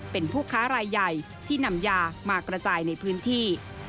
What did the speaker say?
เป็นผู้ค้ารายใหญ่ที่นำยามากระจายในพื้นที่